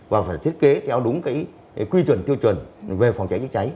và phải thiết kế theo đúng quy chuẩn tiêu chuẩn về phòng cháy cháy cháy